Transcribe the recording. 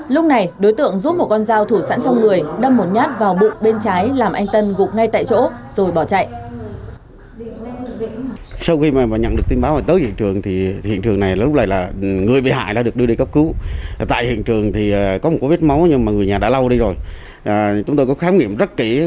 lúc này đối tượng giúp một con dao thủ sẵn trong người đâm một nhát vào bụng bên trái làm anh tân gục ngay tại chỗ rồi bỏ chạy